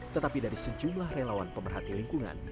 tetapi dari sejumlah relawan pemerhati lingkungan